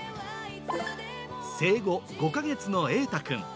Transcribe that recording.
生後５か月の瑛太くん。